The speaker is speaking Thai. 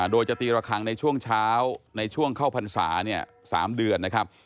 โดยจะตีระคังในช่วงเช้าในช่วงเข้าพรรษา๓เดือนนะครับ